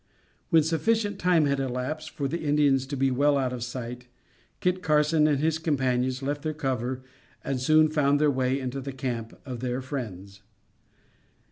When sufficient time had elapsed for the Indians to be well out of sight, Kit Carson and his companions left their cover and soon found their way into the camp of their friends.